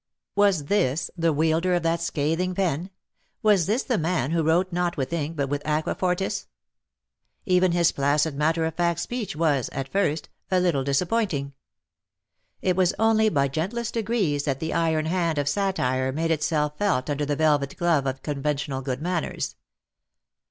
Was this the wielder of that scathing pen — was this the man who wrote not with ink but with aqua fortis ? Even his placid matter of fact speech was, at first, a little dis appointing. It was only by gentlest degrees that the iron hand of satire made itself felt under the velvet glove of conventional good manners.